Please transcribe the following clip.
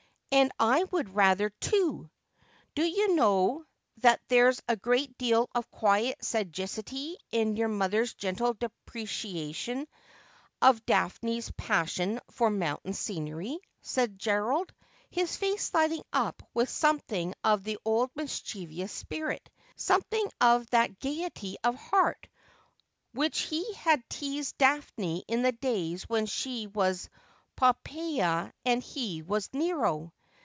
' And I would rather, too.' ' Do you know that there is a great deal of quiet sagacity in your mother's gentle depreciation of Daphne's passion for mountain scenery?' said Gerald, his face lighting up with something of the old mischievous spirit, something of that gaiety of heart with which he had teased Daphne in the days when she was Poppsea and he was ISTero